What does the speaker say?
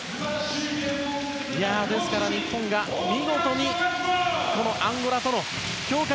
日本が見事にアンゴラとの強化